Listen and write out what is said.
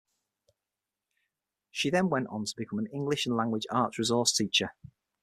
She then went on to become an English and Language Arts resource teacher.